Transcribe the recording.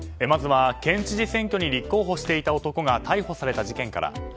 まずは県知事選挙に立候補していた男が逮捕された事件から。